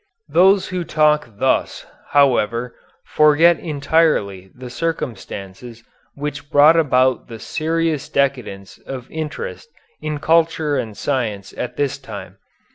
Those who talk thus, however, forget entirely the circumstances which brought about the serious decadence of interest in culture and science at this time.